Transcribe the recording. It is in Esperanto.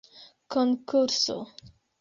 konkurso